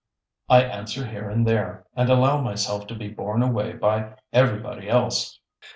I answer here and there, and allow myself to be borne away by everybody else.